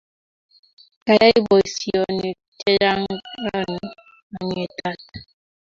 Kayai poisyonik chechang' rauni, aang'etat.